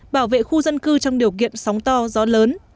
bảo vệ khu dân cư trong điều kiện sóng to gió lớn